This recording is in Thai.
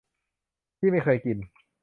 ที่ไม่เคยกิน